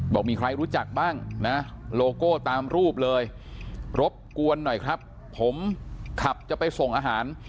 บอกมีใครรู้จักบ้างนะโลโก้ตามรูปเลยรบกวนหน่อยครับผมขับจะไปส่งอาหาร